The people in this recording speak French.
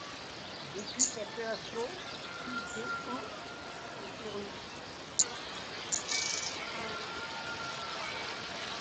Depuis sa création, plus de ont été remis.